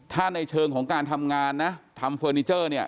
ถ้าในเชิงของการทำงานนะทำเฟอร์นิเจอร์เนี่ย